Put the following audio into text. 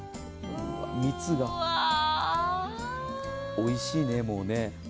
おいしいね、もうね。